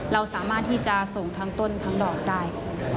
เราสามารถที่จะส่งทั้งต้นทั้งดอกได้